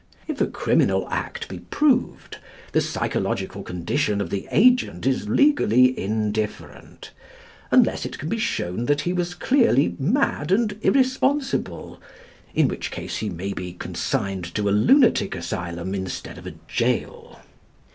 If a criminal act be proved, the psychological condition of the agent is legally indifferent unless it can be shown that he was clearly mad and irresponsible, in which case he may be consigned to a lunatic asylum instead of a jail.